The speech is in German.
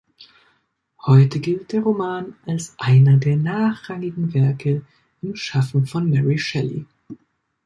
Heute gilt der Roman als einer der nachrangigen Werke im Schaffen von Mary Shelley.